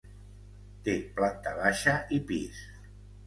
Té planta baixa i pis.